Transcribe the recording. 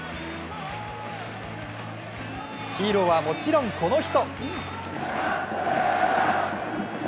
ヒーローは、もちろんこの人。